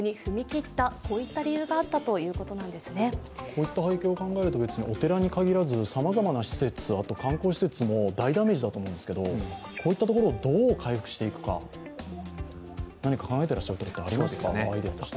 こういった背景を考えると、お寺に限らず、さまざまな施設、あと観光施設も大ダメージだと思うんですけどこういったところをどう回復していくか、何か考えていらっしゃるところ、アイデアとしてありますか。